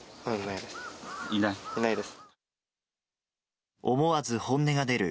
いないです。